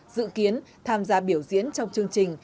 dự kiến tham gia biểu diễn trong chương trình